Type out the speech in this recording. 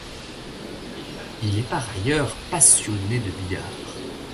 Il est par ailleurs passionné de billard.